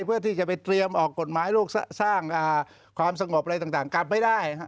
เพื่อที่จะไปเตรียมออกกฎหมายลูกสร้างความสงบอะไรต่างกลับไม่ได้